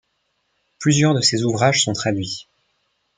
Plusieurs de ses ouvrages sont traduits.